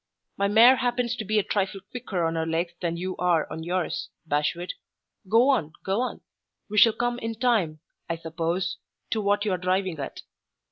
"My mare happens to be a trifle quicker on her legs than you are on yours, Bashwood. Go on, go on. We shall come in time, I suppose, to what you are driving at."